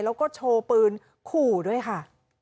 แล้วก็โชว์ปืนขู่ด้วยค่ะ